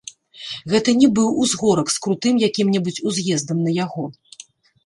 Гэта не быў узгорак з крутым якім-небудзь уз'ездам на яго.